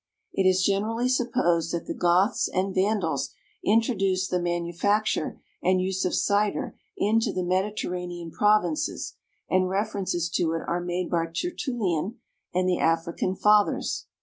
It is generally supposed that the Goths and Vandals introduced the manufacture and use of cider into the Mediterranean provinces and references to it are made by Tertullian and the African Fathers.